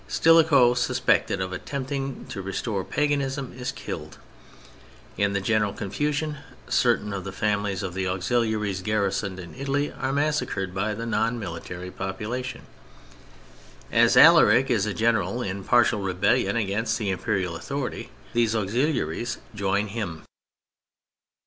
Stilicho, suspected of attempting to restore paganism, is killed. In the general confusion certain of the families of the auxiliaries garrisoned in Italy are massacred by the non military population. As Alaric is a general in partial rebellion against the Imperial authority, these auxiliaries join him.